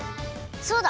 そうだ！